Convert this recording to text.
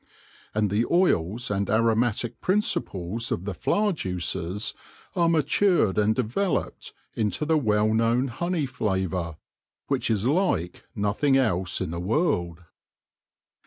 And the oils and aromatic principles of the flower juices are matured and developed into the well known honey flavour, which is like nothing else in the world.